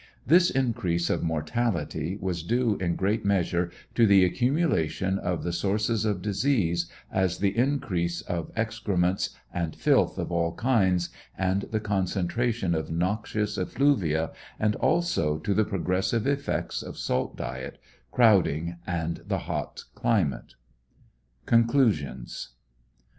This increase of mortality was due in great measure to the accumulation of the sour ces of disease, as the increase of excrements and filth of all kinds, and the concentration of noxious effluvia, and also to the progres sive effects of salt diet, crowding, and the hot climate, CONCLUSIONS.